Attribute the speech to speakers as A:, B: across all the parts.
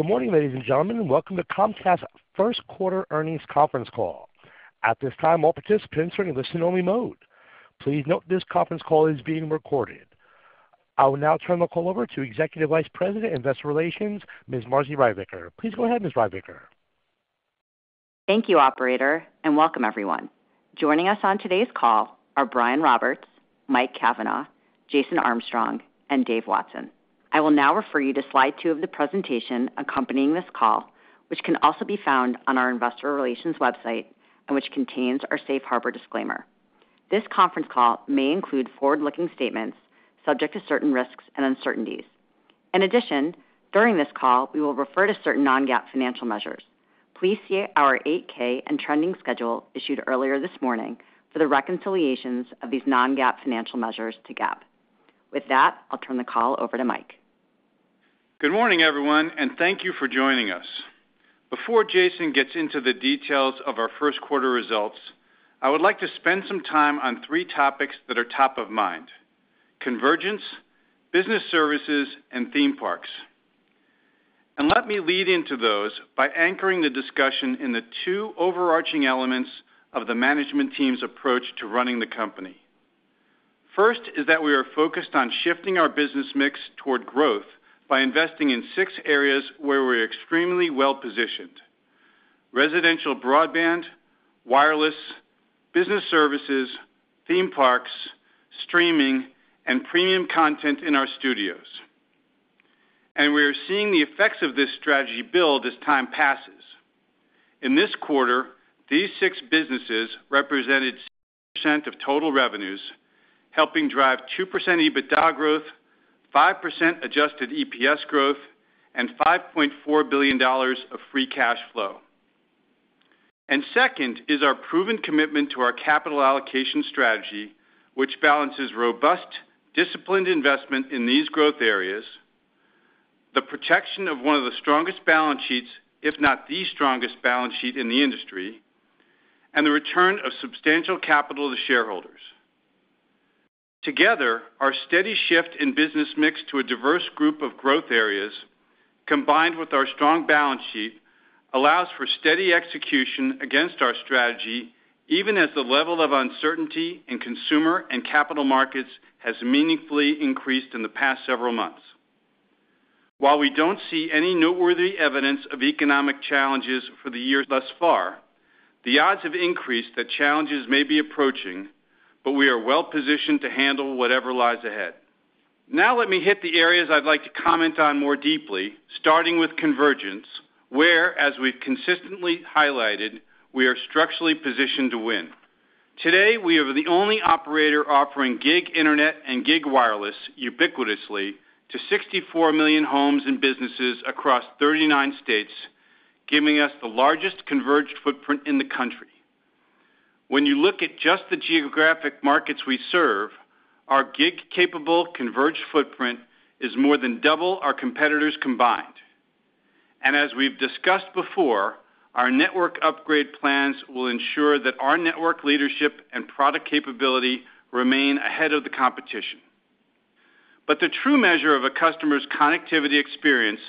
A: Good morning, ladies and gentlemen. Welcome to Comcast's first quarter earnings conference call. At this time, all participants are in listen-only mode. Please note this conference call is being recorded. I will now turn the call over to Executive Vice President Investor Relations, Ms. Marci Ryvicker. Please go ahead, Ms. Ryvicker.
B: Thank you, Operator, and welcome everyone. Joining us on today's call are Brian Roberts, Mike Cavanagh, Jason Armstrong, and Dave Watson. I will now refer you to slide two of the presentation accompanying this call, which can also be found on our Investor Relations website and which contains our Safe Harbor disclaimer. This conference call may include forward-looking statements subject to certain risks and uncertainties. In addition, during this call, we will refer to certain non-GAAP financial measures. Please see our 8-K and trending schedule issued earlier this morning for the reconciliations of these non-GAAP financial measures to GAAP. With that, I'll turn the call over to Mike.
C: Good morning, everyone, and thank you for joining us. Before Jason gets into the details of our first quarter results, I would like to spend some time on three topics that are top of mind: convergence, business services, and theme parks. Let me lead into those by anchoring the discussion in the two overarching elements of the management team's approach to running the company. First is that we are focused on shifting our business mix toward growth by investing in six areas where we're extremely well-positioned: residential broadband, wireless, business services, theme parks, streaming, and premium content in our studios. We are seeing the effects of this strategy build as time passes. In this quarter, these six businesses represented 6% of total revenues, helping drive 2% EBITDA growth, 5% adjusted EPS growth, and $5.4 billion of free cash flow. Second is our proven commitment to our capital allocation strategy, which balances robust, disciplined investment in these growth areas, the protection of one of the strongest balance sheets, if not the strongest balance sheet in the industry, and the return of substantial capital to shareholders. Together, our steady shift in business mix to a diverse group of growth areas, combined with our strong balance sheet, allows for steady execution against our strategy, even as the level of uncertainty in consumer and capital markets has meaningfully increased in the past several months. While we do not see any noteworthy evidence of economic challenges for the year thus far, the odds have increased that challenges may be approaching, but we are well-positioned to handle whatever lies ahead. Now let me hit the areas I'd like to comment on more deeply, starting with convergence, where, as we've consistently highlighted, we are structurally positioned to win. Today, we are the only operator offering gig internet and gig wireless ubiquitously to 64 million homes and businesses across 39 states, giving us the largest converged footprint in the country. When you look at just the geographic markets we serve, our gig-capable converged footprint is more than double our competitors combined. As we've discussed before, our network upgrade plans will ensure that our network leadership and product capability remain ahead of the competition. The true measure of a customer's connectivity experience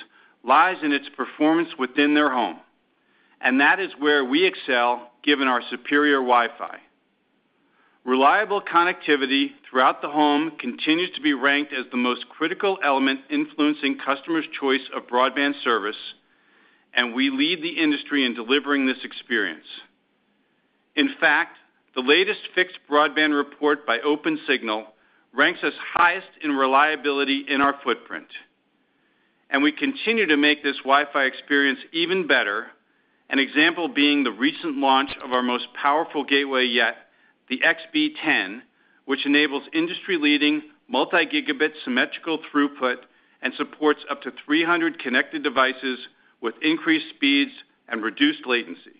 C: lies in its performance within their home, and that is where we excel, given our superior Wi-Fi. Reliable connectivity throughout the home continues to be ranked as the most critical element influencing customers' choice of broadband service, and we lead the industry in delivering this experience. In fact, the latest fixed broadband report by OpenSignal ranks us highest in reliability in our footprint. We continue to make this Wi-Fi experience even better, an example being the recent launch of our most powerful gateway yet, the XB10, which enables industry-leading multi-gigabit symmetrical throughput and supports up to 300 connected devices with increased speeds and reduced latency.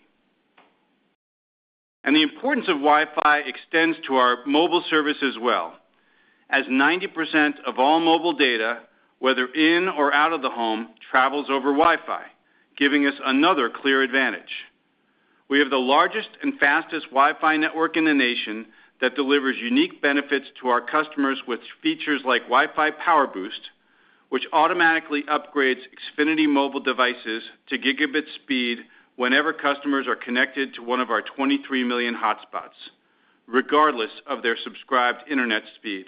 C: The importance of Wi-Fi extends to our mobile service as well, as 90% of all mobile data, whether in or out of the home, travels over Wi-Fi, giving us another clear advantage. We have the largest and fastest Wi-Fi network in the nation that delivers unique benefits to our customers with features like WiFi Boost, which automatically upgrades Xfinity Mobile devices to gigabit speed whenever customers are connected to one of our 23 million hotspots, regardless of their subscribed internet speed.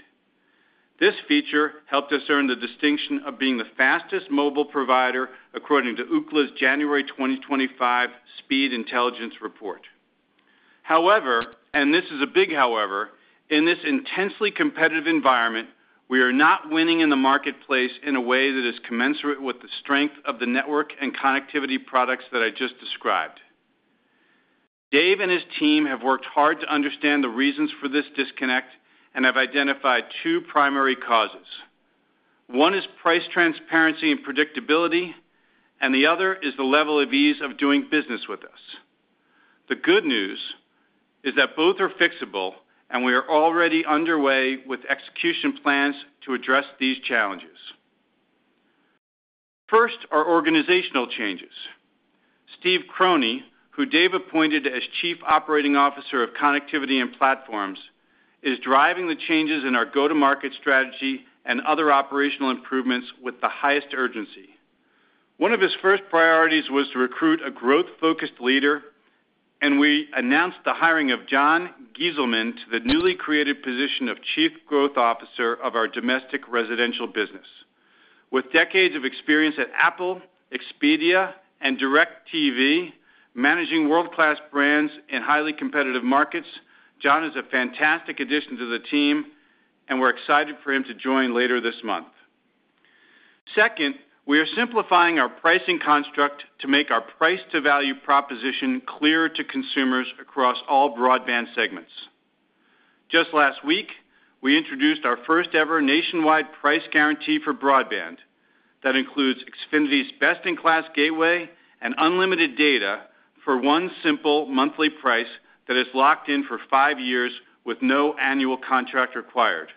C: This feature helped us earn the distinction of being the fastest mobile provider according to Ookla's January 2025 Speedtest Intelligence Report. However, and this is a big however, in this intensely competitive environment, we are not winning in the marketplace in a way that is commensurate with the strength of the network and connectivity products that I just described. Dave and his team have worked hard to understand the reasons for this disconnect and have identified two primary causes. One is price transparency and predictability, and the other is the level of ease of doing business with us. The good news is that both are fixable, and we are already underway with execution plans to address these challenges. First are organizational changes. Steve Crone, who Dave appointed as Chief Operating Officer of Connectivity and Platforms, is driving the changes in our go-to-market strategy and other operational improvements with the highest urgency. One of his first priorities was to recruit a growth-focused leader, and we announced the hiring of John Gieselman to the newly created position of Chief Growth Officer of our domestic residential business. With decades of experience at Apple, Expedia, and DirecTV, managing world-class brands in highly competitive markets, John is a fantastic addition to the team, and we're excited for him to join later this month. Second, we are simplifying our pricing construct to make our price-to-value proposition clearer to consumers across all broadband segments. Just last week, we introduced our first-ever nationwide price guarantee for broadband that includes Xfinity's best-in-class gateway and unlimited data for one simple monthly price that is locked in for five years with no annual contract required.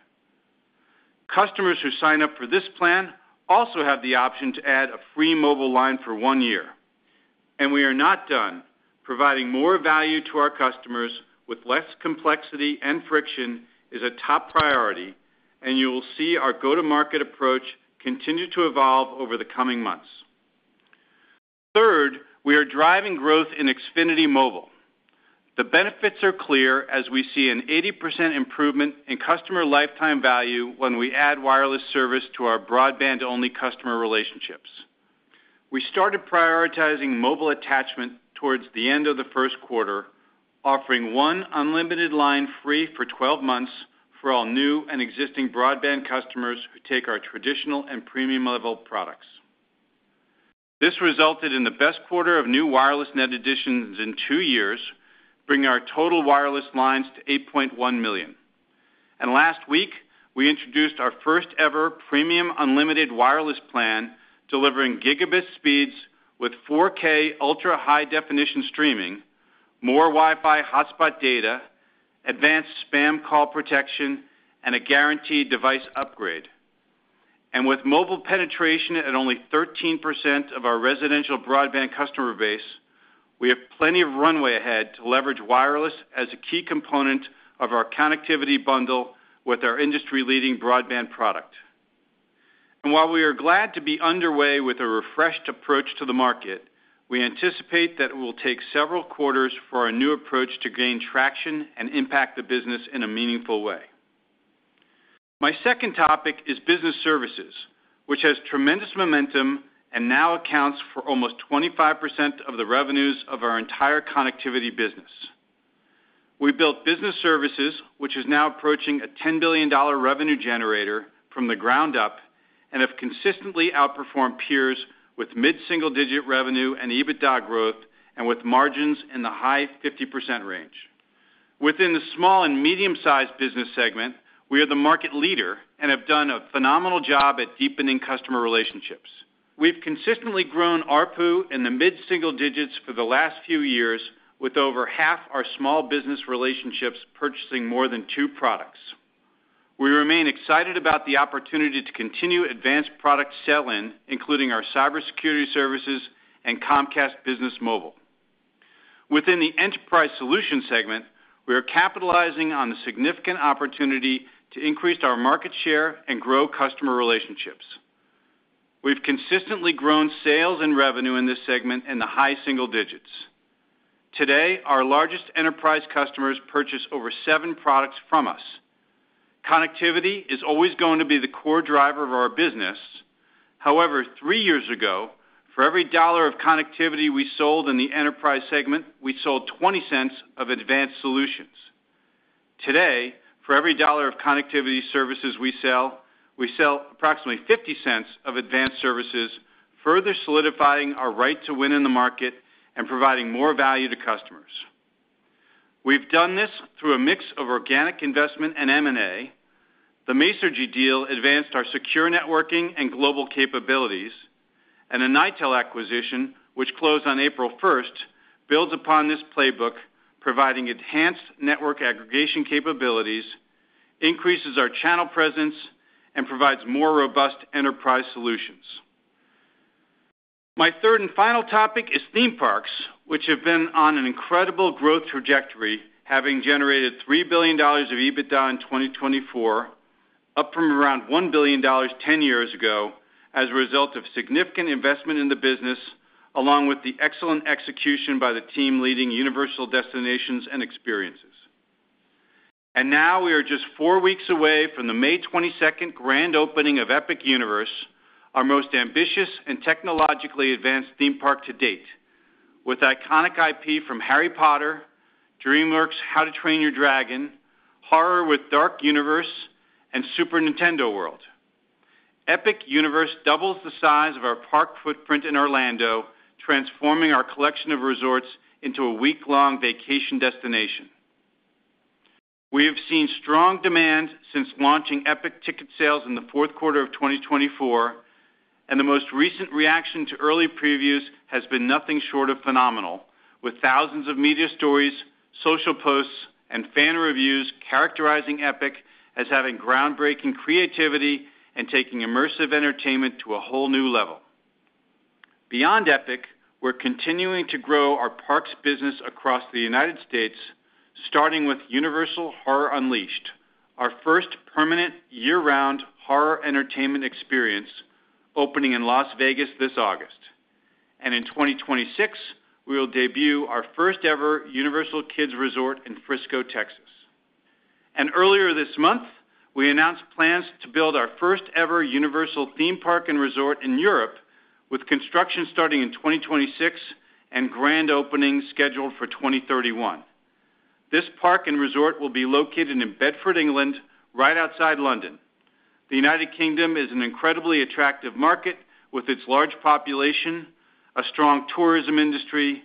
C: Customers who sign up for this plan also have the option to add a free mobile line for one year. We are not done. Providing more value to our customers with less complexity and friction is a top priority, and you will see our go-to-market approach continue to evolve over the coming months. Third, we are driving growth in Xfinity Mobile. The benefits are clear, as we see an 80% improvement in customer lifetime value when we add wireless service to our broadband-only customer relationships. We started prioritizing mobile attachment towards the end of the first quarter, offering one unlimited line free for 12 months for all new and existing broadband customers who take our traditional and premium-level products. This resulted in the best quarter of new wireless net additions in two years, bringing our total wireless lines to 8.1 million. Last week, we introduced our first-ever premium unlimited wireless plan, delivering gigabit speeds with 4K ultra-high-definition streaming, more Wi-Fi hotspot data, advanced spam call protection, and a guaranteed device upgrade. With mobile penetration at only 13% of our residential broadband customer base, we have plenty of runway ahead to leverage wireless as a key component of our connectivity bundle with our industry-leading broadband product. While we are glad to be underway with a refreshed approach to the market, we anticipate that it will take several quarters for our new approach to gain traction and impact the business in a meaningful way. My second topic is business services, which has tremendous momentum and now accounts for almost 25% of the revenues of our entire connectivity business. We built business services, which is now approaching a $10 billion revenue generator from the ground up, and have consistently outperformed peers with mid-single-digit revenue and EBITDA growth and with margins in the high 50% range. Within the small and medium-sized business segment, we are the market leader and have done a phenomenal job at deepening customer relationships. We've consistently grown ARPU in the mid-single digits for the last few years, with over half our small business relationships purchasing more than two products. We remain excited about the opportunity to continue advanced product sell-in, including our cybersecurity services and Comcast Business Mobile. Within the enterprise solution segment, we are capitalizing on the significant opportunity to increase our market share and grow customer relationships. We've consistently grown sales and revenue in this segment in the high single digits. Today, our largest enterprise customers purchase over seven products from us. Connectivity is always going to be the core driver of our business. However, three years ago, for every dollar of connectivity we sold in the enterprise segment, we sold $0.20 of advanced solutions. Today, for every dollar of connectivity services we sell, we sell approximately $0.50 of advanced services, further solidifying our right to win in the market and providing more value to customers. We've done this through a mix of organic investment and M&A. The Masergy deal advanced our secure networking and global capabilities, and a Nitel acquisition, which closed on April 1, builds upon this playbook, providing enhanced network aggregation capabilities, increases our channel presence, and provides more robust enterprise solutions. My third and final topic is theme parks, which have been on an incredible growth trajectory, having generated $3 billion of EBITDA in 2024, up from around $1 billion 10 years ago as a result of significant investment in the business, along with the excellent execution by the team leading Universal Destinations and Experiences. We are just four weeks away from the May 22 grand opening of Epic Universe, our most ambitious and technologically advanced theme park to date, with iconic IP from Harry Potter, DreamWorks' How to Train Your Dragon, horror with Dark Universe, and Super Nintendo World. Epic Universe doubles the size of our park footprint in Orlando, transforming our collection of resorts into a week-long vacation destination. We have seen strong demand since launching Epic ticket sales in the fourth quarter of 2024, and the most recent reaction to early previews has been nothing short of phenomenal, with thousands of media stories, social posts, and fan reviews characterizing Epic as having groundbreaking creativity and taking immersive entertainment to a whole new level. Beyond Epic, we are continuing to grow our parks business across the United States, starting with Universal Horror Unleashed, our first permanent year-round horror entertainment experience opening in Las Vegas this August. In 2026, we will debut our first-ever Universal Kids Resort in Frisco, Texas. Earlier this month, we announced plans to build our first-ever Universal theme park and resort in Europe, with construction starting in 2026 and grand opening scheduled for 2031. This park and resort will be located in Bedford, England, right outside London. The United Kingdom is an incredibly attractive market with its large population, a strong tourism industry,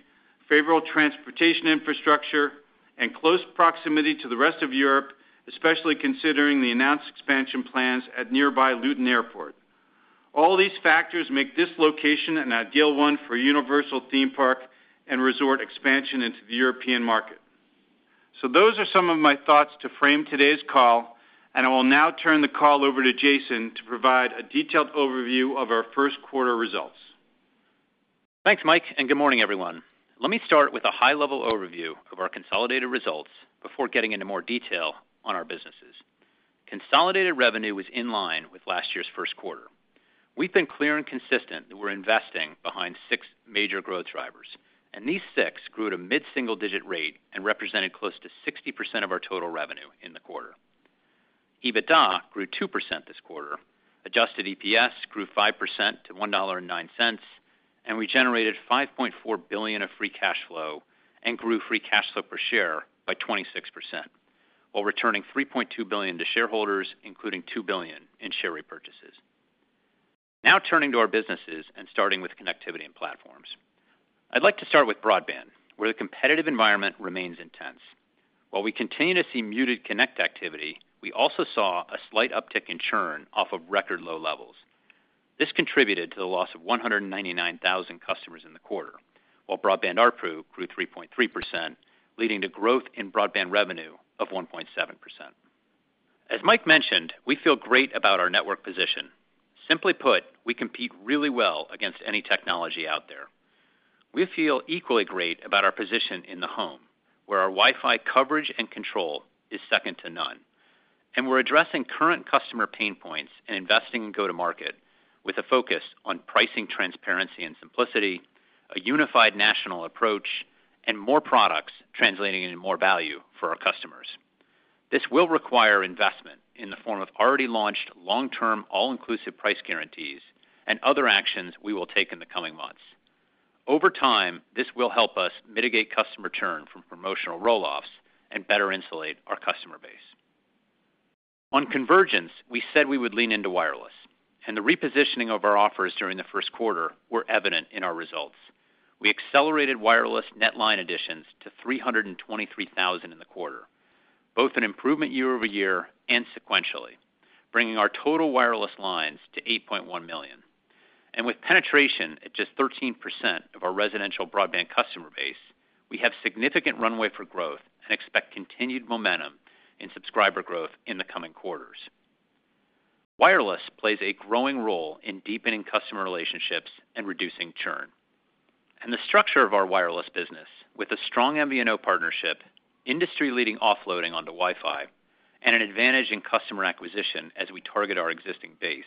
C: favorable transportation infrastructure, and close proximity to the rest of Europe, especially considering the announced expansion plans at nearby Luton Airport. All these factors make this location an ideal one for Universal theme park and resort expansion into the European market. Those are some of my thoughts to frame today's call, and I will now turn the call over to Jason to provide a detailed overview of our first quarter results.
D: Thanks, Mike, and good morning, everyone. Let me start with a high-level overview of our consolidated results before getting into more detail on our businesses. Consolidated revenue was in line with last year's first quarter. We've been clear and consistent that we're investing behind six major growth drivers, and these six grew at a mid-single-digit rate and represented close to 60% of our total revenue in the quarter. EBITDA grew 2% this quarter, adjusted EPS grew 5% to $1.09, and we generated $5.4 billion of free cash flow and grew free cash flow per share by 26%, while returning $3.2 billion to shareholders, including $2 billion in share repurchases. Now turning to our businesses and starting with connectivity and platforms, I'd like to start with broadband, where the competitive environment remains intense. While we continue to see muted connect activity, we also saw a slight uptick in churn off of record low levels. This contributed to the loss of 199,000 customers in the quarter, while broadband ARPU grew 3.3%, leading to growth in broadband revenue of 1.7%. As Mike mentioned, we feel great about our network position. Simply put, we compete really well against any technology out there. We feel equally great about our position in the home, where our Wi-Fi coverage and control is second to none. We are addressing current customer pain points and investing in go-to-market with a focus on pricing transparency and simplicity, a unified national approach, and more products translating into more value for our customers. This will require investment in the form of already launched long-term all-inclusive price guarantees and other actions we will take in the coming months. Over time, this will help us mitigate customer churn from promotional rolloffs and better insulate our customer base. On convergence, we said we would lean into wireless, and the repositioning of our offers during the first quarter was evident in our results. We accelerated wireless net line additions to 323,000 in the quarter, both an improvement year over year and sequentially, bringing our total wireless lines to 8.1 million. With penetration at just 13% of our residential broadband customer base, we have significant runway for growth and expect continued momentum in subscriber growth in the coming quarters. Wireless plays a growing role in deepening customer relationships and reducing churn. The structure of our wireless business, with a strong MVNO partnership, industry-leading offloading onto Wi-Fi, and an advantage in customer acquisition as we target our existing base,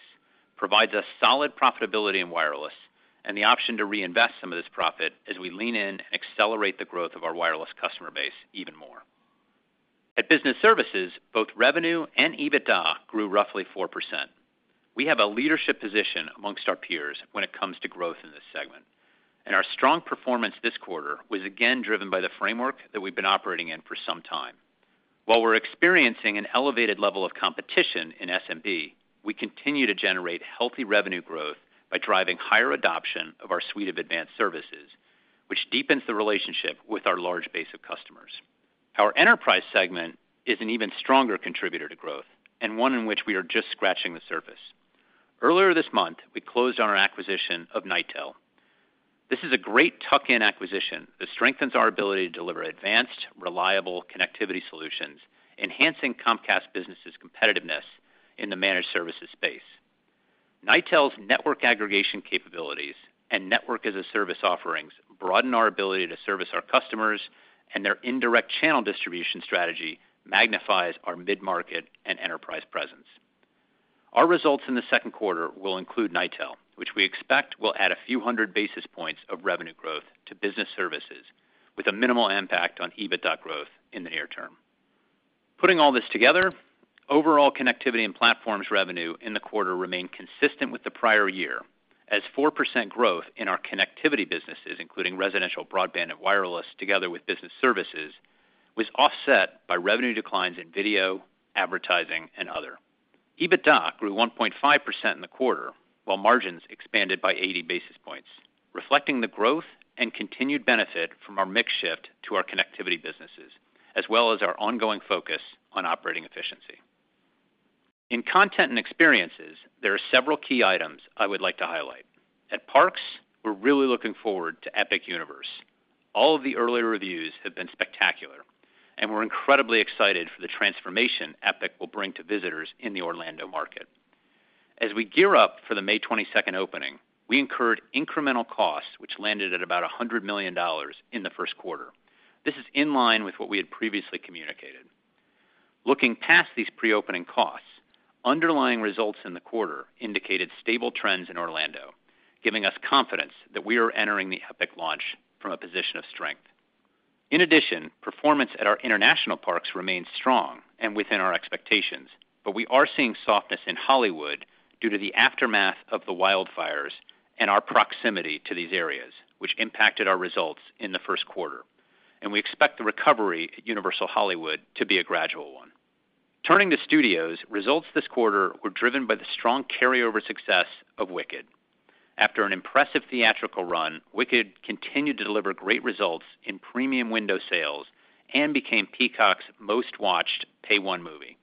D: provides us solid profitability in wireless and the option to reinvest some of this profit as we lean in and accelerate the growth of our wireless customer base even more. At business services, both revenue and EBITDA grew roughly 4%. We have a leadership position amongst our peers when it comes to growth in this segment, and our strong performance this quarter was again driven by the framework that we've been operating in for some time. While we're experiencing an elevated level of competition in SMB, we continue to generate healthy revenue growth by driving higher adoption of our suite of advanced services, which deepens the relationship with our large base of customers. Our enterprise segment is an even stronger contributor to growth and one in which we are just scratching the surface. Earlier this month, we closed on our acquisition of Nitel. This is a great tuck-in acquisition that strengthens our ability to deliver advanced, reliable connectivity solutions, enhancing Comcast Business's competitiveness in the managed services space. Nitel's network aggregation capabilities and network-as-a-service offerings broaden our ability to service our customers, and their indirect channel distribution strategy magnifies our mid-market and enterprise presence. Our results in the second quarter will include Nitel, which we expect will add a few hundred basis points of revenue growth to business services, with a minimal impact on EBITDA growth in the near term. Putting all this together, overall connectivity and platforms revenue in the quarter remained consistent with the prior year, as 4% growth in our connectivity businesses, including residential broadband and wireless together with business services, was offset by revenue declines in video, advertising, and other. EBITDA grew 1.5% in the quarter, while margins expanded by 80 basis points, reflecting the growth and continued benefit from our mix shift to our connectivity businesses, as well as our ongoing focus on operating efficiency. In content and experiences, there are several key items I would like to highlight. At Parks, we're really looking forward to Epic Universe. All of the earlier reviews have been spectacular, and we're incredibly excited for the transformation Epic will bring to visitors in the Orlando market. As we gear up for the May 22nd opening, we incurred incremental costs, which landed at about $100 million in the first quarter. This is in line with what we had previously communicated. Looking past these pre-opening costs, underlying results in the quarter indicated stable trends in Orlando, giving us confidence that we are entering the Epic launch from a position of strength. In addition, performance at our international parks remains strong and within our expectations, but we are seeing softness in Hollywood due to the aftermath of the wildfires and our proximity to these areas, which impacted our results in the first quarter. We expect the recovery at Universal Hollywood to be a gradual one. Turning to studios, results this quarter were driven by the strong carryover success of Wicked. After an impressive theatrical run, Wicked continued to deliver great results in premium window sales and became Peacock's most-watched Pay-One movie.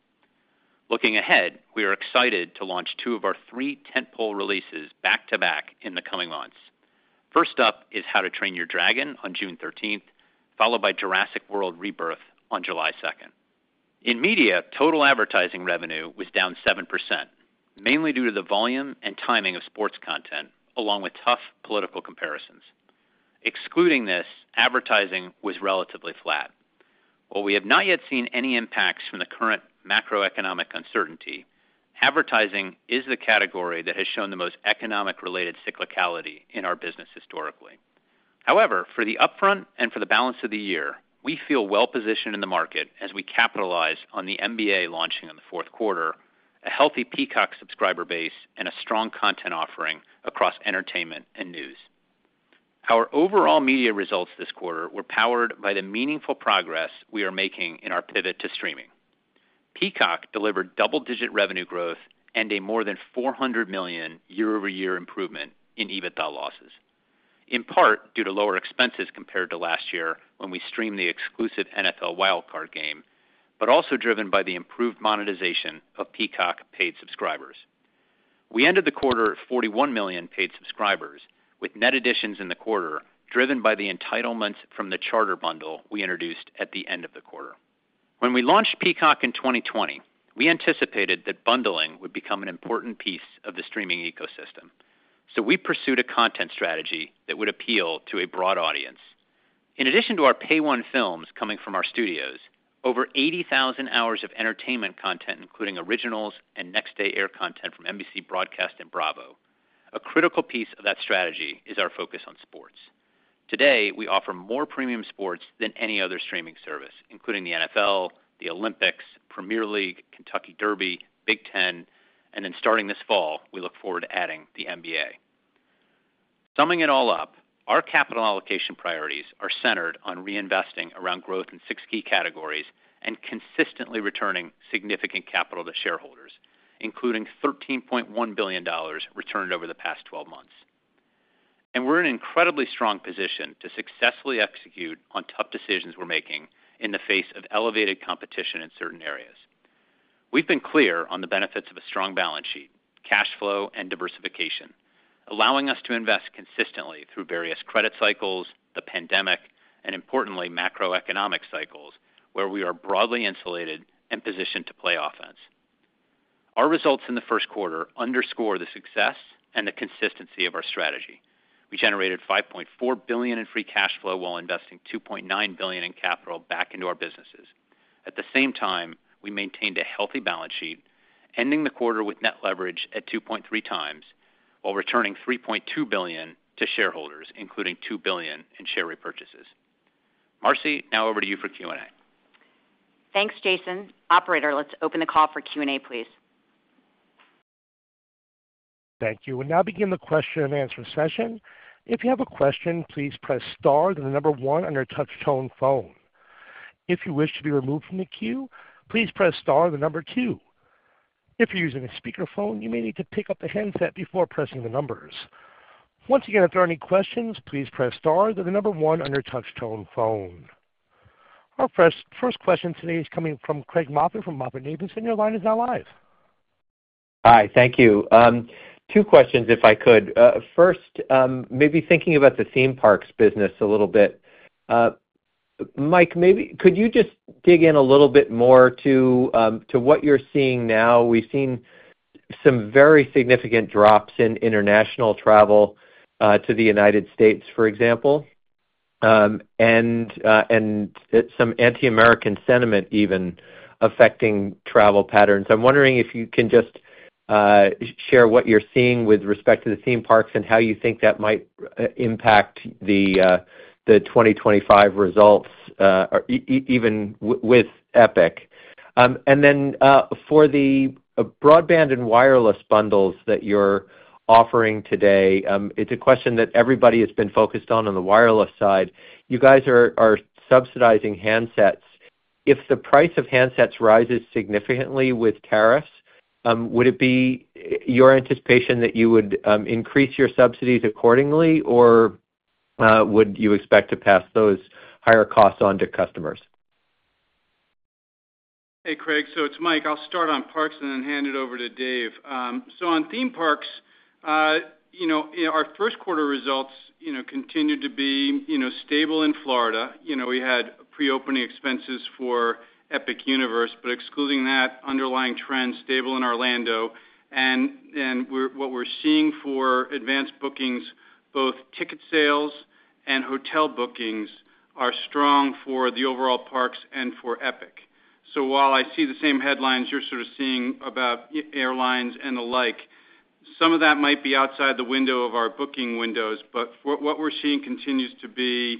D: Looking ahead, we are excited to launch two of our three tentpole releases back to back in the coming months. First up is How to Train Your Dragon on June 13th, followed by Jurassic World: Rebirth on July 2nd. In media, total advertising revenue was down 7%, mainly due to the volume and timing of sports content, along with tough political comparisons. Excluding this, advertising was relatively flat. While we have not yet seen any impacts from the current macroeconomic uncertainty, advertising is the category that has shown the most economic-related cyclicality in our business historically. However, for the upfront and for the balance of the year, we feel well-positioned in the market as we capitalize on the NBA launching in the fourth quarter, a healthy Peacock subscriber base, and a strong content offering across entertainment and news. Our overall media results this quarter were powered by the meaningful progress we are making in our pivot to streaming. Peacock delivered double-digit revenue growth and a more than $400 million year-over-year improvement in EBITDA losses, in part due to lower expenses compared to last year when we streamed the exclusive NFL Wildcard game, but also driven by the improved monetization of Peacock paid subscribers. We ended the quarter at 41 million paid subscribers, with net additions in the quarter driven by the entitlements from the Charter bundle we introduced at the end of the quarter. When we launched Peacock in 2020, we anticipated that bundling would become an important piece of the streaming ecosystem. We pursued a content strategy that would appeal to a broad audience. In addition to our Pay-One films coming from our studios, over 80,000 hours of entertainment content, including originals and next-day air content from NBC Broadcast and Bravo, a critical piece of that strategy is our focus on sports. Today, we offer more premium sports than any other streaming service, including the NFL, the Olympics, Premier League, Kentucky Derby, Big Ten, and then starting this fall, we look forward to adding the NBA. Summing it all up, our capital allocation priorities are centered on reinvesting around growth in six key categories and consistently returning significant capital to shareholders, including $13.1 billion returned over the past 12 months. We are in an incredibly strong position to successfully execute on tough decisions we are making in the face of elevated competition in certain areas. We have been clear on the benefits of a strong balance sheet, cash flow, and diversification, allowing us to invest consistently through various credit cycles, the pandemic, and importantly, macroeconomic cycles, where we are broadly insulated and positioned to play offense. Our results in the first quarter underscore the success and the consistency of our strategy. We generated $5.4 billion in free cash flow while investing $2.9 billion in capital back into our businesses. At the same time, we maintained a healthy balance sheet, ending the quarter with net leverage at 2.3 times while returning $3.2 billion to shareholders, including $2 billion in share repurchases. Marci, now over to you for Q&A.
B: Thanks, Jason. Operator, let's open the call for Q&A, please.
A: Thank you. We'll now begin the question-and-answer session. If you have a question, please press star to the number one on your touch-tone phone. If you wish to be removed from the queue, please press star to the number two. If you're using a speakerphone, you may need to pick up the handset before pressing the numbers. Once again, if there are any questions, please press star to the number one on your touch-tone phone. Our first question today is coming from Craig Moffett from MoffettNathanson. Your line is now live.
E: Hi, thank you. Two questions, if I could. First, maybe thinking about the theme parks business a little bit. Mike, could you just dig in a little bit more to what you're seeing now? We've seen some very significant drops in international travel to the United States, for example, and some anti-American sentiment even affecting travel patterns. I'm wondering if you can just share what you're seeing with respect to the theme parks and how you think that might impact the 2025 results, even with Epic. For the broadband and wireless bundles that you're offering today, it's a question that everybody has been focused on on the wireless side. You guys are subsidizing handsets. If the price of handsets rises significantly with tariffs, would it be your anticipation that you would increase your subsidies accordingly, or would you expect to pass those higher costs on to customers?
C: Hey, Craig. So it's Mike. I'll start on Parks and then hand it over to Dave. On theme parks, our first quarter results continue to be stable in Florida. We had pre-opening expenses for Epic Universe, but excluding that, underlying trend is stable in Orlando. What we're seeing for advanced bookings, both ticket sales and hotel bookings, are strong for the overall parks and for Epic. I see the same headlines you're sort of seeing about airlines and the like, some of that might be outside the window of our booking windows, but what we're seeing continues to be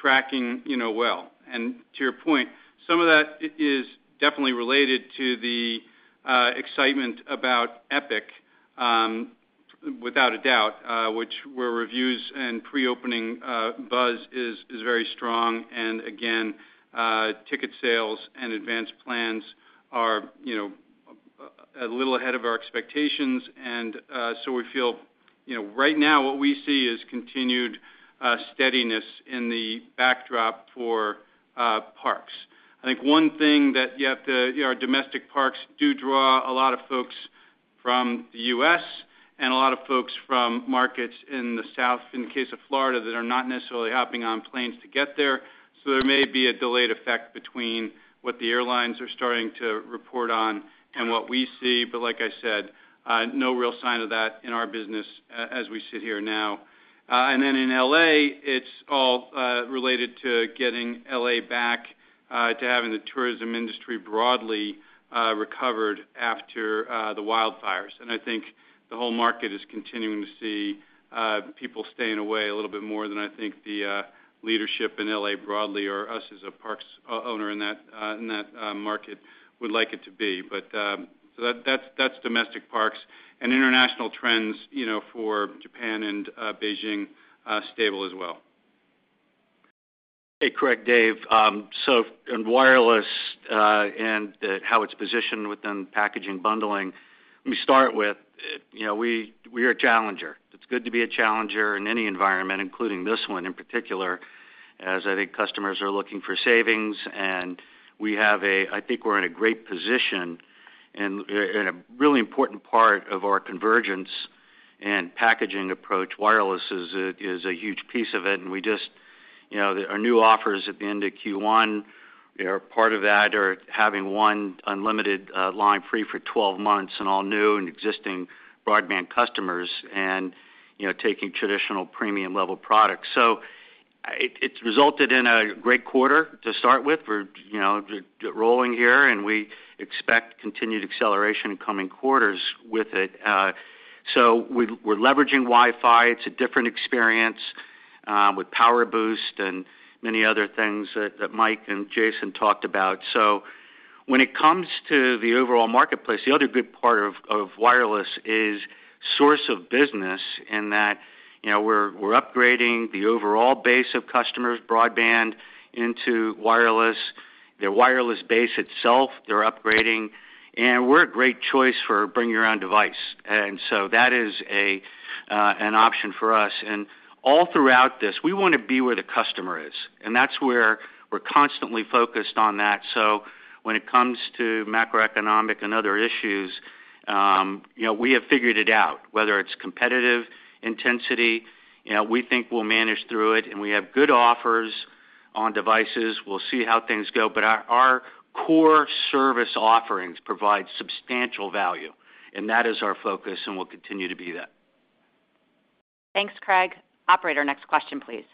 C: tracking well. To your point, some of that is definitely related to the excitement about Epic, without a doubt, where reviews and pre-opening buzz is very strong. Again, ticket sales and advanced plans are a little ahead of our expectations. We feel right now what we see is continued steadiness in the backdrop for parks. I think one thing that you have is our domestic parks do draw a lot of folks from the US and a lot of folks from markets in the south, in the case of Florida, that are not necessarily hopping on planes to get there. There may be a delayed effect between what the airlines are starting to report on and what we see. Like I said, no real sign of that in our business as we sit here now. In Los Angeles, it is all related to getting Los Angeles back to having the tourism industry broadly recovered after the wildfires. I think the whole market is continuing to see people staying away a little bit more than I think the leadership in Los Angeles broadly or us as a parks owner in that market would like it to be. That is domestic parks. International trends for Japan and Beijing are stable as well.
F: Hey, Craig, Dave. On wireless and how it is positioned within packaging bundling, let me start with we are a challenger. It is good to be a challenger in any environment, including this one in particular, as I think customers are looking for savings. We have a I think we are in a great position and a really important part of our convergence and packaging approach. Wireless is a huge piece of it. We just, our new offers at the end of Q1 are part of that, are having one unlimited line free for 12 months and all new and existing broadband customers and taking traditional premium-level products. It has resulted in a great quarter to start with. We're rolling here, and we expect continued acceleration in coming quarters with it. We're leveraging Wi-Fi. It's a different experience with PowerBoost and many other things that Mike and Jason talked about. When it comes to the overall marketplace, the other good part of wireless is source of business in that we're upgrading the overall base of customers' broadband into wireless. Their wireless base itself, they're upgrading. We're a great choice for bringing your own device. That is an option for us. All throughout this, we want to be where the customer is. That's where we're constantly focused on that. When it comes to macroeconomic and other issues, we have figured it out, whether it's competitive intensity. We think we'll manage through it. We have good offers on devices. We'll see how things go. Our core service offerings provide substantial value. That is our focus, and we'll continue to be that.
B: Thanks, Craig. Operator, next question, please.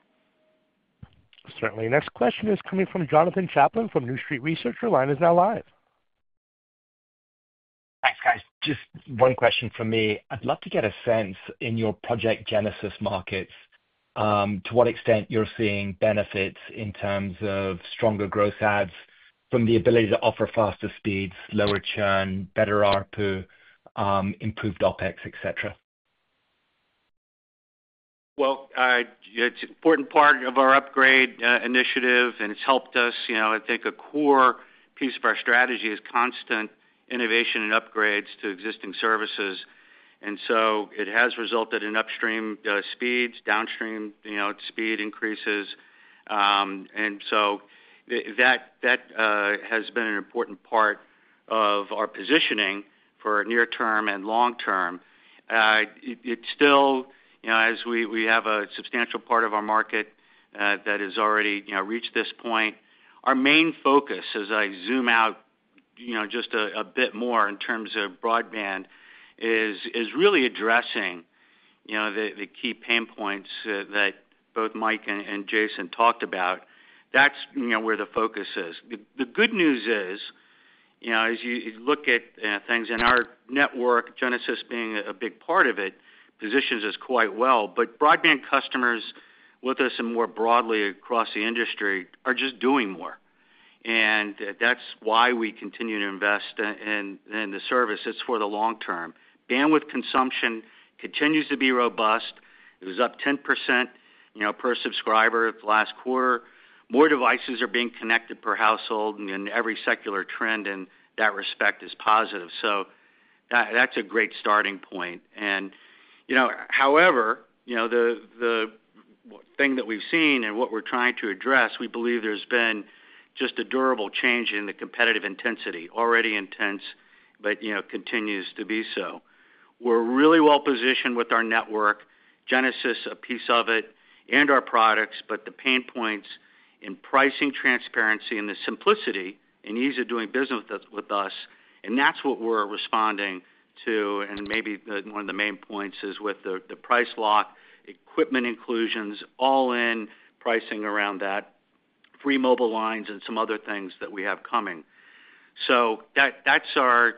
A: Certainly. Next question is coming from Jonathan Chapman from New Street Research. Your line is now live.
G: Thanks, guys. Just one question from me. I'd love to get a sense in your Next Gen markets to what extent you're seeing benefits in terms of stronger growth ads from the ability to offer faster speeds, lower churn, better ARPU, improved OPEX, etc.
F: It's an important part of our upgrade initiative, and it's helped us. I think a core piece of our strategy is constant innovation and upgrades to existing services. It has resulted in upstream speeds, downstream speed increases. That has been an important part of our positioning for near-term and long-term. It is still, as we have a substantial part of our market that has already reached this point. Our main focus, as I zoom out just a bit more in terms of broadband, is really addressing the key pain points that both Mike and Jason talked about. That is where the focus is. The good news is, as you look at things, and our network, Genesis being a big part of it, positions us quite well. Broadband customers with us and more broadly across the industry are just doing more. That is why we continue to invest in the service. It is for the long-term. Bandwidth consumption continues to be robust. It was up 10% per subscriber last quarter. More devices are being connected per household, and every secular trend in that respect is positive. That is a great starting point. However, the thing that we've seen and what we're trying to address, we believe there's been just a durable change in the competitive intensity, already intense, but continues to be so. We're really well-positioned with our network, Genesis, a piece of it, and our products, but the pain points in pricing transparency and the simplicity and ease of doing business with us. That is what we're responding to. Maybe one of the main points is with the price lock, equipment inclusions, all-in pricing around that, free mobile lines, and some other things that we have coming. That is our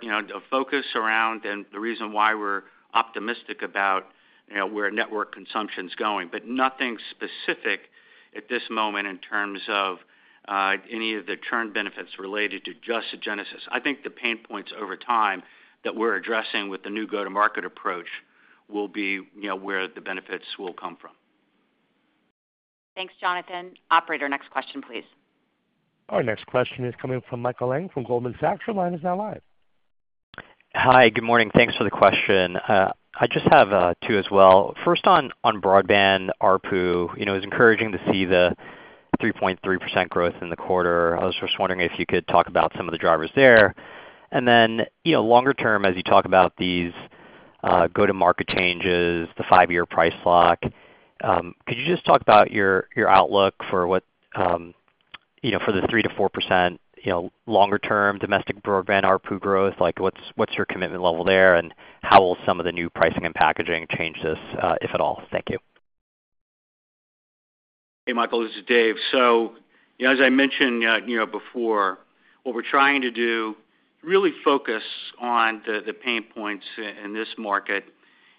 F: focus around and the reason why we're optimistic about where network consumption's going. Nothing specific at this moment in terms of any of the churn benefits related to just Genesis. I think the pain points over time that we are addressing with the new go-to-market approach will be where the benefits will come from.
B: Thanks, Jonathan. Operator, next question, please.
A: Our next question is coming from Michael Ng from Goldman Sachs. Your line is now live.
H: Hi, good morning. Thanks for the question. I just have two as well. First, on broadband, ARPU is encouraging to see the 3.3% growth in the quarter. I was just wondering if you could talk about some of the drivers there. Longer term, as you talk about these go-to-market changes, the five-year price lock, could you talk about your outlook for the 3-4% longer-term domestic broadband ARPU growth? What's your commitment level there, and how will some of the new pricing and packaging change this, if at all? Thank you.
F: Hey, Michael, this is Dave. As I mentioned before, what we're trying to do is really focus on the pain points in this market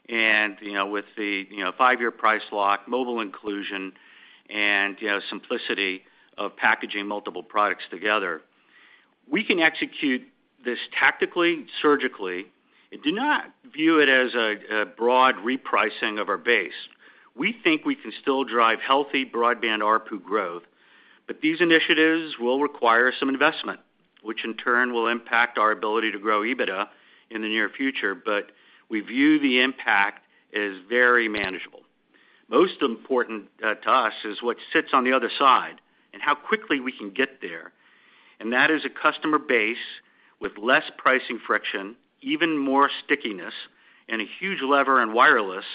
F: and with the five-year price lock, mobile inclusion, and simplicity of packaging multiple products together. We can execute this tactically, surgically. Do not view it as a broad repricing of our base. We think we can still drive healthy broadband ARPU growth, but these initiatives will require some investment, which in turn will impact our ability to grow EBITDA in the near future. We view the impact as very manageable. Most important to us is what sits on the other side and how quickly we can get there. That is a customer base with less pricing friction, even more stickiness, and a huge lever in wireless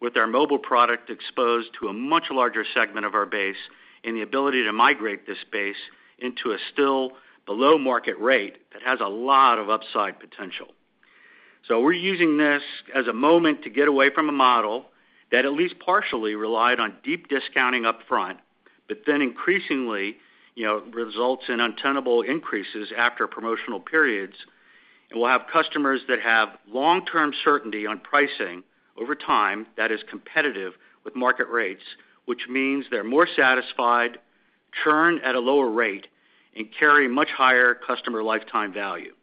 F: with our mobile product exposed to a much larger segment of our base and the ability to migrate this base into a still below-market rate that has a lot of upside potential. We are using this as a moment to get away from a model that at least partially relied on deep discounting upfront, but then increasingly results in untenable increases after promotional periods. We will have customers that have long-term certainty on pricing over time that is competitive with market rates, which means they are more satisfied, churn at a lower rate, and carry much higher customer lifetime value.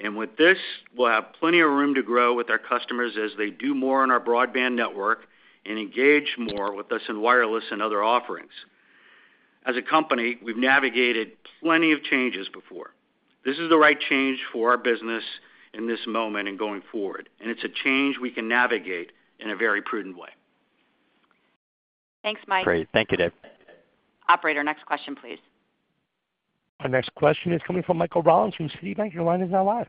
F: With this, we will have plenty of room to grow with our customers as they do more on our broadband network and engage more with us in wireless and other offerings. As a company, we've navigated plenty of changes before. This is the right change for our business in this moment and going forward. It's a change we can navigate in a very prudent way.
B: Thanks, Mike.
H: Great. Thank you, Dave.
B: Operator, next question, please.
A: Our next question is coming from Michael Rollins from Citigroup. Your line is now live.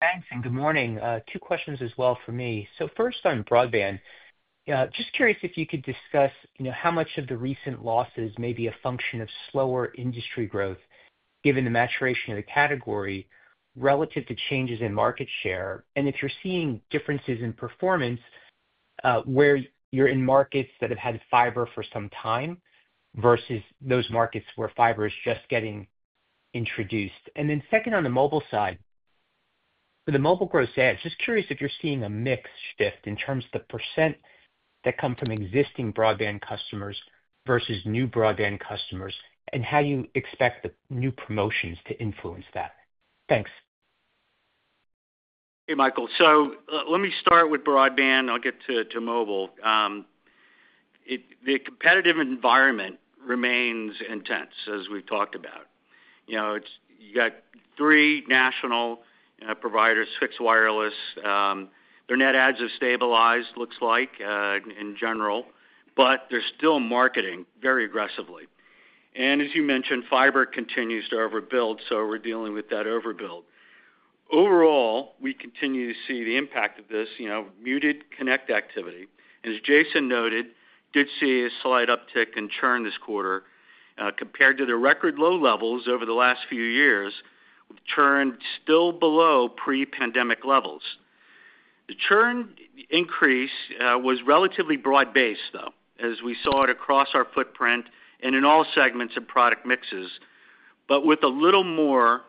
I: Thanks. Good morning. Two questions as well for me. First on broadband, just curious if you could discuss how much of the recent losses may be a function of slower industry growth given the maturation of the category relative to changes in market share and if you're seeing differences in performance where you're in markets that have had fiber for some time versus those markets where fiber is just getting introduced. Then second on the mobile side, for the mobile growth ads, just curious if you're seeing a mix shift in terms of the % that come from existing broadband customers versus new broadband customers and how you expect the new promotions to influence that. Thanks.
F: Hey, Michael. Let me start with broadband. I'll get to mobile. The competitive environment remains intense, as we've talked about. You've got three national providers, fixed wireless. Their net adds have stabilized, looks like, in general, but they're still marketing very aggressively. As you mentioned, fiber continues to overbuild, so we're dealing with that overbuild. Overall, we continue to see the impact of this muted connect activity. As Jason noted, did see a slight uptick in churn this quarter compared to the record low levels over the last few years, with churn still below pre-pandemic levels. The churn increase was relatively broad-based, though, as we saw it across our footprint and in all segments of product mixes, but with a little more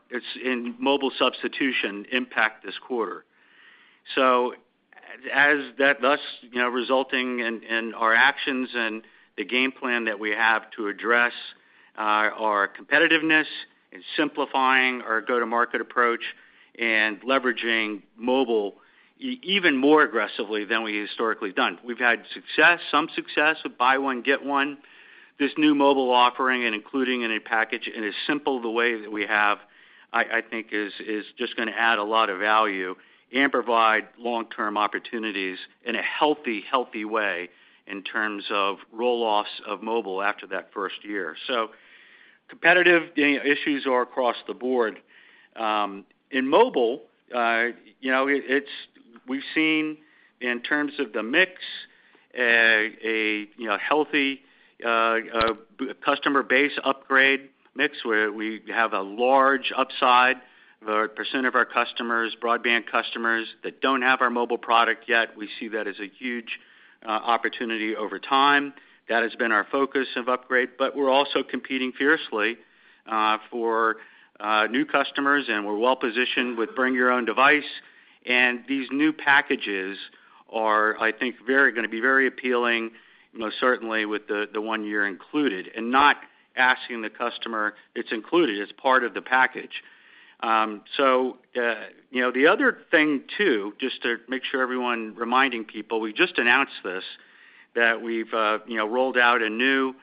F: in mobile substitution impact this quarter. Thus resulting in our actions and the game plan that we have to address our competitiveness and simplifying our go-to-market approach and leveraging mobile even more aggressively than we historically have done. We've had some success with buy one, get one. This new mobile offering and including it in a package and as simple the way that we have, I think, is just going to add a lot of value and provide long-term opportunities in a healthy, healthy way in terms of roll-offs of mobile after that first year. Competitive issues are across the board. In mobile, we've seen in terms of the mix, a healthy customer base upgrade mix where we have a large upside % of our broadband customers that don't have our mobile product yet. We see that as a huge opportunity over time. That has been our focus of upgrade. We are also competing fiercely for new customers, and we're well-positioned with bring your own device. These new packages are, I think, going to be very appealing, certainly with the one-year included and not asking the customer, "It's included. It's part of the package." The other thing too, just to make sure everyone reminding people, we just announced this that we've rolled out a new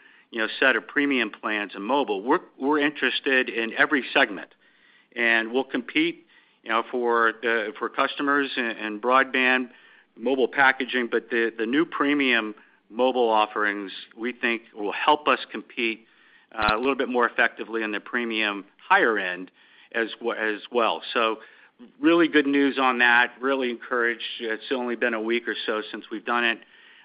F: set of premium plans in mobile. We're interested in every segment. We will compete for customers in broadband mobile packaging, but the new premium mobile offerings, we think, will help us compete a little bit more effectively in the premium higher-end as well. Really good news on that. Really encouraged. It has only been a week or so since we have done it.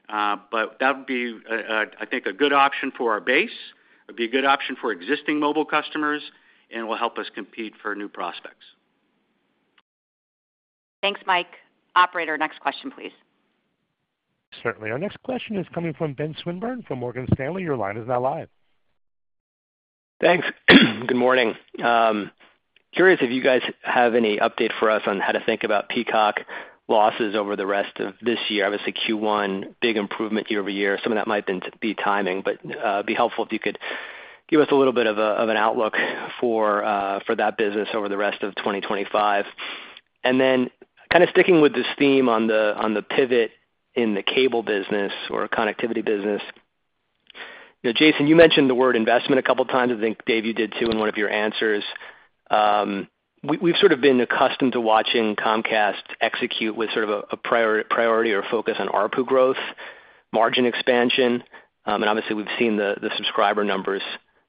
F: That would be, I think, a good option for our base. It would be a good option for existing mobile customers, and it will help us compete for new prospects.
B: Thanks, Mike. Operator, next question, please.
A: Certainly. Our next question is coming from Ben Swinburne from Morgan Stanley. Your line is now live.
J: Thanks. Good morning. Curious if you guys have any update for us on how to think about Peacock losses over the rest of this year. Obviously, Q1, big improvement year over year. Some of that might be timing, but it'd be helpful if you could give us a little bit of an outlook for that business over the rest of 2025. Kind of sticking with this theme on the pivot in the cable business or connectivity business, Jason, you mentioned the word investment a couple of times. I think, Dave, you did too in one of your answers. We've sort of been accustomed to watching Comcast execute with sort of a priority or focus on ARPU growth, margin expansion. Obviously, we've seen the subscriber numbers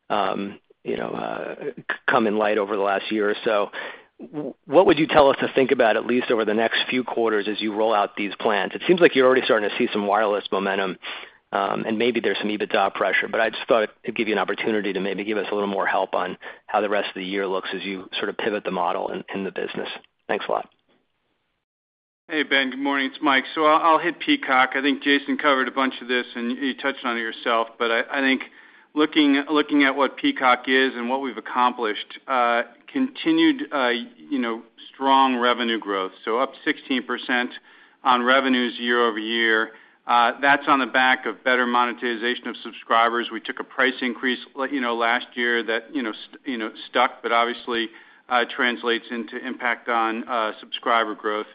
J: come in light over the last year or so. What would you tell us to think about at least over the next few quarters as you roll out these plans? It seems like you're already starting to see some wireless momentum, and maybe there's some EBITDA pressure. I just thought it'd give you an opportunity to maybe give us a little more help on how the rest of the year looks as you sort of pivot the model in the business. Thanks a lot.
C: Hey, Ben. Good morning. It's Mike. I'll hit Peacock. I think Jason covered a bunch of this, and you touched on it yourself. I think looking at what Peacock is and what we've accomplished, continued strong revenue growth. Up 16% on revenues year over year. That's on the back of better monetization of subscribers. We took a price increase last year that stuck, but obviously translates into impact on subscriber growth.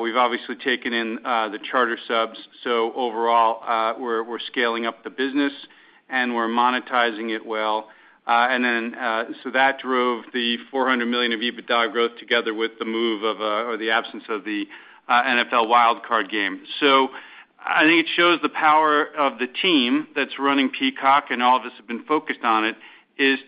C: We've obviously taken in the Charter subs. Overall, we're scaling up the business, and we're monetizing it well. That drove the $400 million of EBITDA growth together with the move of or the absence of the NFL wild card game. I think it shows the power of the team that is running Peacock, and all of us have been focused on it,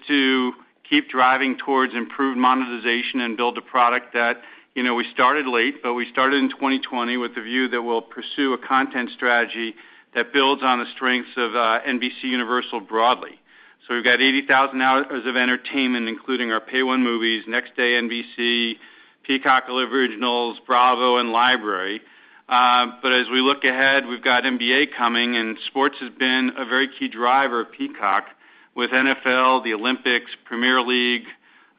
C: to keep driving towards improved monetization and build a product that we started late, but we started in 2020 with the view that we will pursue a content strategy that builds on the strengths of NBCUniversal broadly. We have 80,000 hours of entertainment, including our Pay-One movies, Next Day, NBC, Peacock Originals, Bravo, and library. As we look ahead, we have NBA coming, and sports has been a very key driver of Peacock with NFL, the Olympics, Premier League,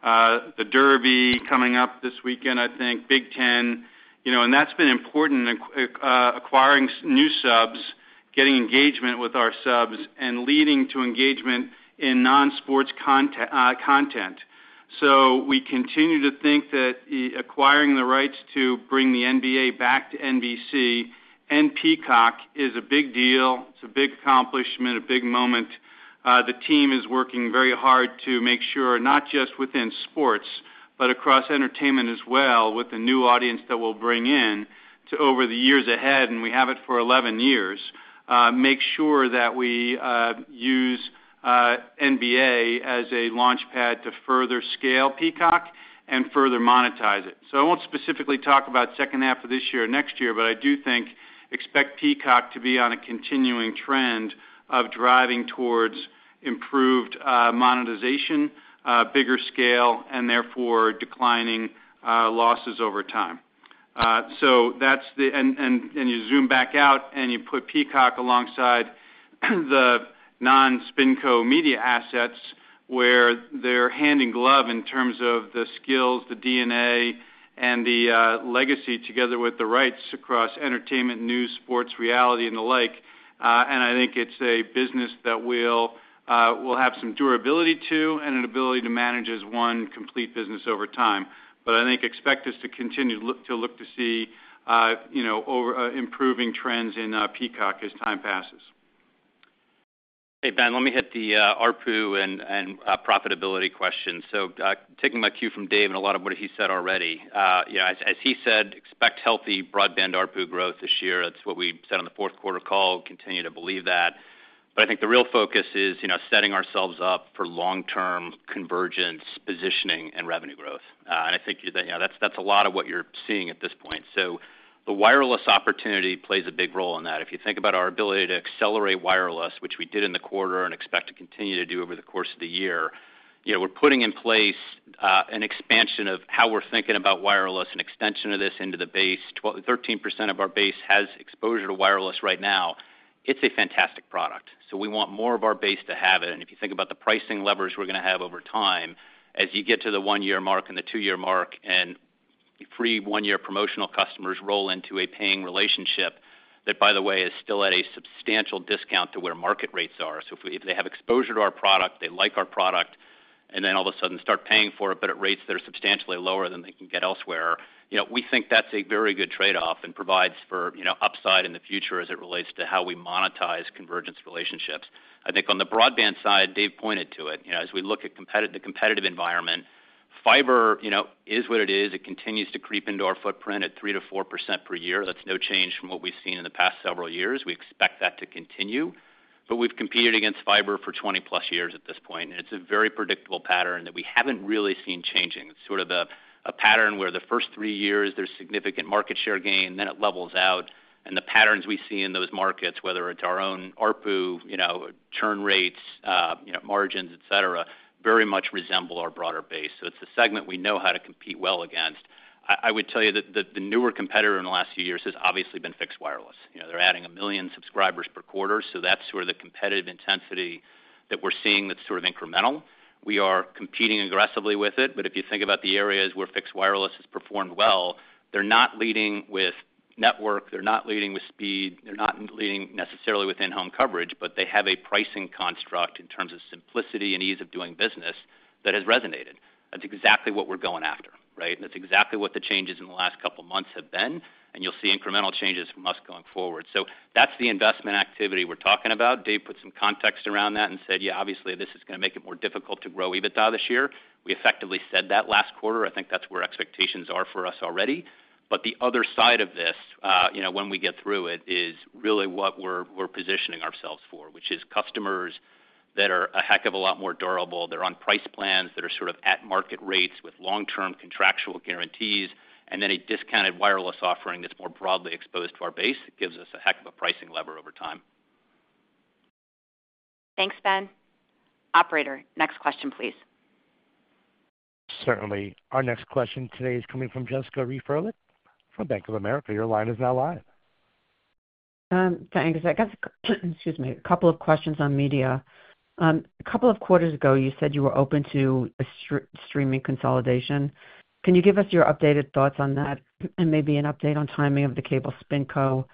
C: the Derby coming up this weekend, I think, Big Ten. That's been important, acquiring new subs, getting engagement with our subs, and leading to engagement in non-sports content. We continue to think that acquiring the rights to bring the NBA back to NBC and Peacock is a big deal. It's a big accomplishment, a big moment. The team is working very hard to make sure, not just within sports, but across entertainment as well, with the new audience that we'll bring in over the years ahead, and we have it for 11 years, make sure that we use NBA as a launchpad to further scale Peacock and further monetize it. I won't specifically talk about second half of this year or next year, but I do think expect Peacock to be on a continuing trend of driving towards improved monetization, bigger scale, and therefore declining losses over time. That's the, and you zoom back out and you put Peacock alongside the non-SpinCo media assets where they're hand in glove in terms of the skills, the DNA, and the legacy together with the rights across entertainment, news, sports, reality, and the like. I think it's a business that will have some durability to and an ability to manage as one complete business over time. I think expect us to continue to look to see improving trends in Peacock as time passes.
D: Hey, Ben, let me hit the ARPU and profitability question. Taking my cue from Dave and a lot of what he said already, as he said, expect healthy broadband ARPU growth this year. That's what we said on the fourth quarter call. Continue to believe that. I think the real focus is setting ourselves up for long-term convergence, positioning, and revenue growth. I think that's a lot of what you're seeing at this point. The wireless opportunity plays a big role in that. If you think about our ability to accelerate wireless, which we did in the quarter and expect to continue to do over the course of the year, we're putting in place an expansion of how we're thinking about wireless, an extension of this into the base. 13% of our base has exposure to wireless right now. It's a fantastic product. We want more of our base to have it. If you think about the pricing levers we're going to have over time as you get to the one-year mark and the two-year mark and free one-year promotional customers roll into a paying relationship that, by the way, is still at a substantial discount to where market rates are. If they have exposure to our product, they like our product, and then all of a sudden start paying for it, but at rates that are substantially lower than they can get elsewhere, we think that's a very good trade-off and provides for upside in the future as it relates to how we monetize convergence relationships. I think on the broadband side, Dave pointed to it. As we look at the competitive environment, fiber is what it is. It continues to creep into our footprint at 3-4% per year. That's no change from what we've seen in the past several years. We expect that to continue. We've competed against fiber for 20+ years at this point. It's a very predictable pattern that we haven't really seen changing. It's sort of a pattern where the first three years, there's significant market share gain, then it levels out. The patterns we see in those markets, whether it's our own ARPU, churn rates, margins, etc., very much resemble our broader base. It is a segment we know how to compete well against. I would tell you that the newer competitor in the last few years has obviously been fixed wireless. They're adding a million subscribers per quarter. That is the competitive intensity that we're seeing that is incremental. We are competing aggressively with it. If you think about the areas where fixed wireless has performed well, they're not leading with network. They're not leading with speed. They're not leading necessarily with in-home coverage, but they have a pricing construct in terms of simplicity and ease of doing business that has resonated. That's exactly what we're going after, right? That's exactly what the changes in the last couple of months have been. You'll see incremental changes from us going forward. That's the investment activity we're talking about. Dave put some context around that and said, "Yeah, obviously, this is going to make it more difficult to grow EBITDA this year." We effectively said that last quarter. I think that's where expectations are for us already. The other side of this, when we get through it, is really what we're positioning ourselves for, which is customers that are a heck of a lot more durable. They're on price plans that are sort of at market rates with long-term contractual guarantees, and then a discounted wireless offering that's more broadly exposed to our base gives us a heck of a pricing lever over time.
B: Thanks, Ben. Operator, next question, please.
A: Certainly. Our next question today is coming from Jessica Reif Ehrlich from Bank of America. Your line is now live.
K: Thanks. I guess, excuse me, a couple of questions on media. A couple of quarters ago, you said you were open to a streaming consolidation. Can you give us your updated thoughts on that and maybe an update on timing of the cable Spinco?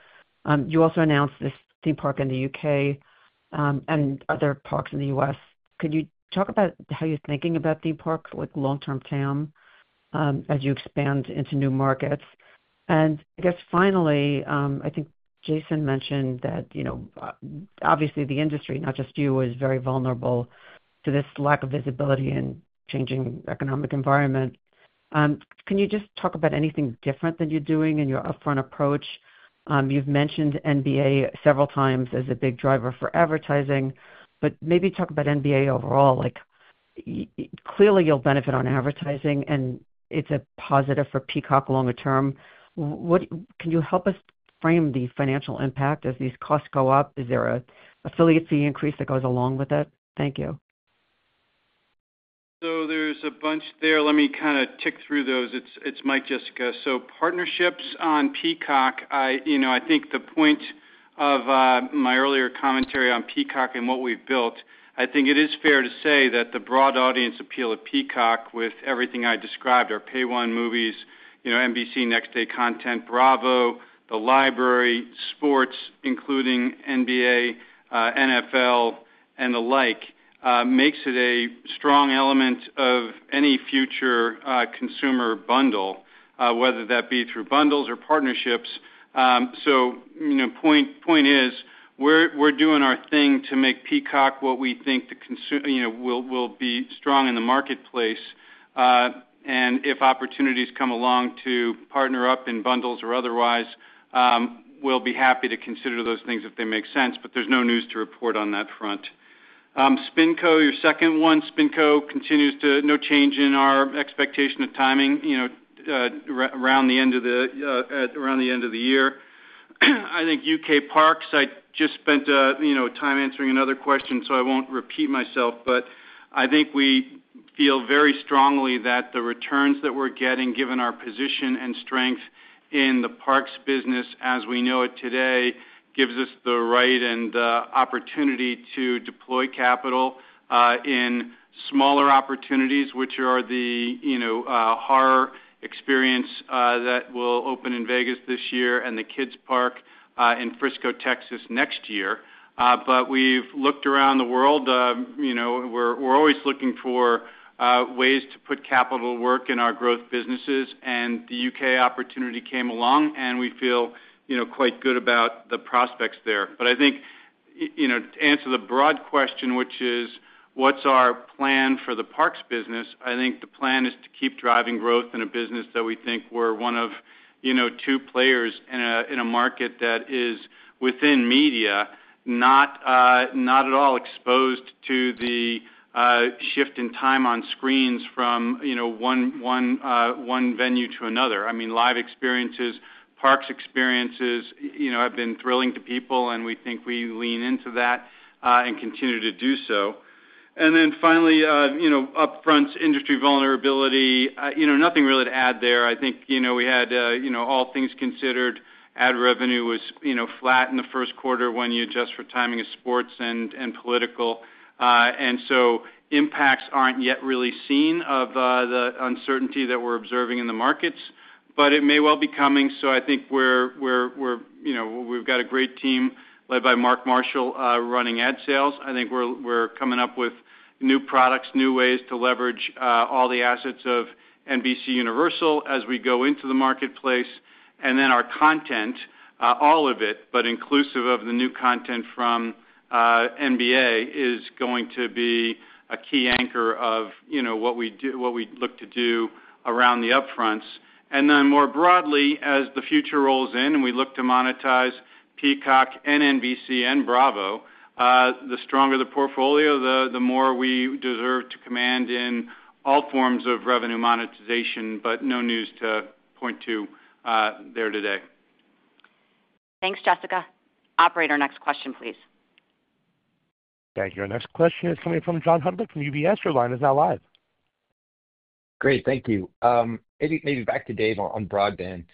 K: You also announced this theme park in the U.K. and other parks in the U.S. Could you talk about how you're thinking about theme parks with long-term TAM as you expand into new markets? I guess finally, I think Jason mentioned that obviously the industry, not just you, is very vulnerable to this lack of visibility and changing economic environment. Can you just talk about anything different that you're doing in your upfront approach? You've mentioned NBA several times as a big driver for advertising, but maybe talk about NBA overall. Clearly, you'll benefit on advertising, and it's a positive for Peacock longer term. Can you help us frame the financial impact as these costs go up? Is there an affiliate fee increase that goes along with it? Thank you.
C: There's a bunch there. Let me kind of tick through those. It's Mike, Jessica. Partnerships on Peacock, I think the point of my earlier commentary on Peacock and what we've built, I think it is fair to say that the broad audience appeal of Peacock with everything I described, our Pay-One movies, NBC Next Day content, Bravo, the library, sports, including NBA, NFL, and the like, makes it a strong element of any future consumer bundle, whether that be through bundles or partnerships. Point is we're doing our thing to make Peacock what we think will be strong in the marketplace. If opportunities come along to partner up in bundles or otherwise, we'll be happy to consider those things if they make sense. There's no news to report on that front. SpinCo, your second one, SpinCo continues to no change in our expectation of timing around the end of the year. I think U.K. parks, I just spent time answering another question, so I won't repeat myself, but I think we feel very strongly that the returns that we're getting, given our position and strength in the parks business as we know it today, gives us the right and opportunity to deploy capital in smaller opportunities, which are the horror experience that will open in Las Vegas this year and the Kids Park in Frisco, Texas next year. We have looked around the world. We're always looking for ways to put capital to work in our growth businesses. The U.K. opportunity came along, and we feel quite good about the prospects there. I think to answer the broad question, which is what's our plan for the parks business, I think the plan is to keep driving growth in a business that we think we're one of two players in a market that is within media, not at all exposed to the shift in time on screens from one venue to another. I mean, live experiences, parks experiences have been thrilling to people, and we think we lean into that and continue to do so. Finally, upfront industry vulnerability, nothing really to add there. I think we had, all things considered, ad revenue was flat in the first quarter when you adjust for timing of sports and political. Impacts are not yet really seen of the uncertainty that we're observing in the markets, but it may well be coming. I think we've got a great team led by Mark Marshall running ad sales. I think we're coming up with new products, new ways to leverage all the assets of NBCUniversal as we go into the marketplace. Our content, all of it, but inclusive of the new content from NBA, is going to be a key anchor of what we look to do around the upfronts. More broadly, as the future rolls in and we look to monetize Peacock and NBC and Bravo, the stronger the portfolio, the more we deserve to command in all forms of revenue monetization, but no news to point to there today.
B: Thanks, Jessica. Operator, next question, please.
A: Thank you. Our next question is coming from John Hodulik from UBS. Your line is now live.
L: Great. Thank you. Maybe back to Dave on broadband.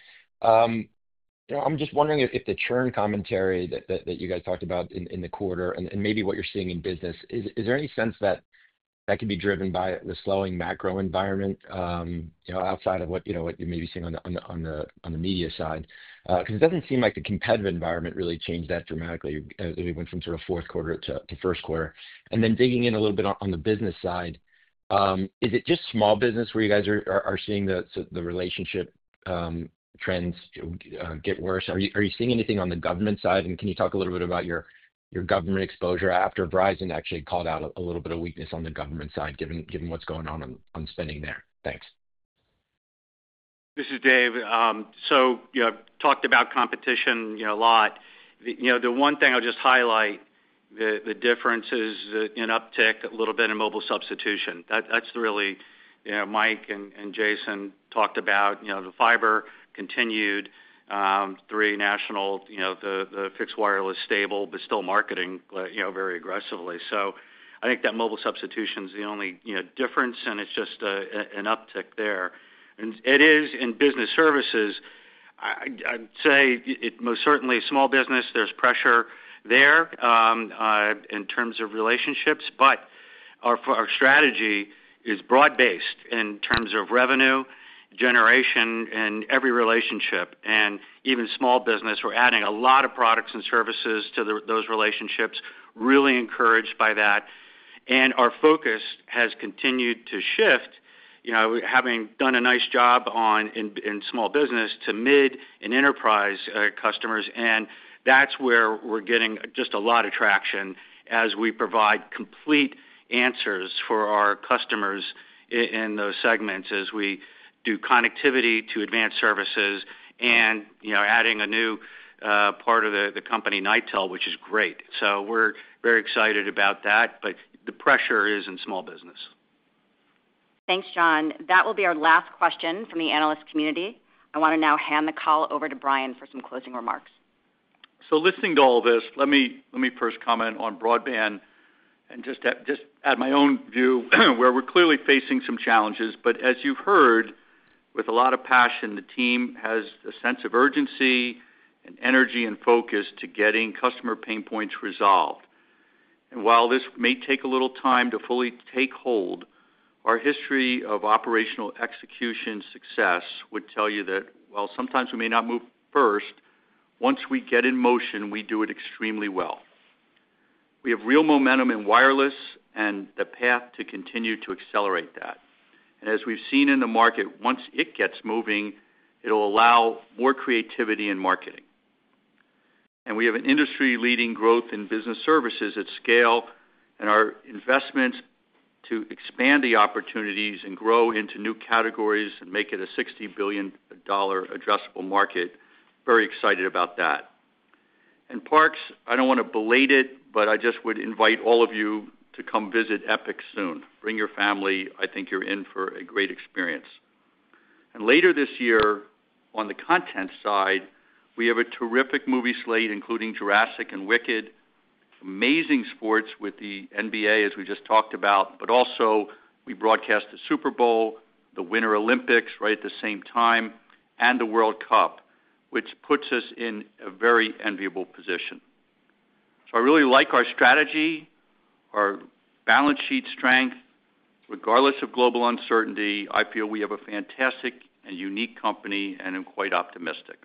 L: I'm just wondering if the churn commentary that you guys talked about in the quarter and maybe what you're seeing in business, is there any sense that that can be driven by the slowing macro environment outside of what you may be seeing on the media side? Because it doesn't seem like the competitive environment really changed that dramatically as we went from sort of fourth quarter to first quarter. Digging in a little bit on the business side, is it just small business where you guys are seeing the relationship trends get worse? Are you seeing anything on the government side? Can you talk a little bit about your government exposure after Verizon actually called out a little bit of weakness on the government side, given what's going on on spending there? Thanks.
F: This is Dave. Talked about competition a lot. The one thing I'll just highlight, the differences in uptick, a little bit in mobile substitution. That's really Mike and Jason talked about. The fiber continued, three national, the fixed wireless stable, but still marketing very aggressively. I think that mobile substitution is the only difference, and it's just an uptick there. It is in business services. I'd say most certainly small business, there's pressure there in terms of relationships. Our strategy is broad-based in terms of revenue generation and every relationship. Even small business, we're adding a lot of products and services to those relationships, really encouraged by that. Our focus has continued to shift, having done a nice job in small business to mid and enterprise customers.
C: That's where we're getting just a lot of traction as we provide complete answers for our customers in those segments as we do connectivity to advanced services and adding a new part of the company, Nitel, which is great. We are very excited about that, but the pressure is in small business.
B: Thanks, John. That will be our last question from the analyst community. I want to now hand the call over to Brian for some closing remarks.
M: Listening to all this, let me first comment on broadband and just add my own view where we're clearly facing some challenges. As you've heard, with a lot of passion, the team has a sense of urgency and energy and focus to getting customer pain points resolved. While this may take a little time to fully take hold, our history of operational execution success would tell you that while sometimes we may not move first, once we get in motion, we do it extremely well. We have real momentum in wireless and the path to continue to accelerate that. As we've seen in the market, once it gets moving, it'll allow more creativity in marketing. We have an industry-leading growth in business services at scale and our investments to expand the opportunities and grow into new categories and make it a $60 billion addressable market. Very excited about that. Parks, I don't want to belate it, but I just would invite all of you to come visit Epic soon. Bring your family. I think you're in for a great experience. Later this year, on the content side, we have a terrific movie slate, including Jurassic and Wicked, amazing sports with the NBA, as we just talked about. We also broadcast the Super Bowl, the Winter Olympics right at the same time, and the World Cup, which puts us in a very enviable position. I really like our strategy, our balance sheet strength. Regardless of global uncertainty, I feel we have a fantastic and unique company and I'm quite optimistic.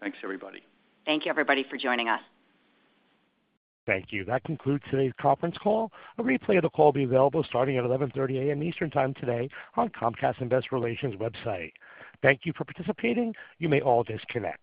M: Thanks, everybody.
B: Thank you, everybody, for joining us.
A: Thank you. That concludes today's conference call. A replay of the call will be available starting at 11:30 A.M. Eastern Time today on Comcast Investor Relations website. Thank you for participating. You may all disconnect.